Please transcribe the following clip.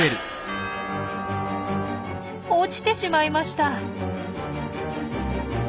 落ちてしまいました。